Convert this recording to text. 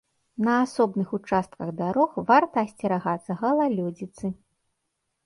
На асобных участках дарог варта асцерагацца галалёдзіцы.